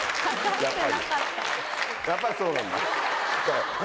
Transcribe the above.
やっぱり！